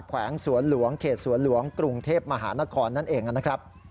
แขกสวนหลวงกรุงเทพมหานครนั่นเองนะครับ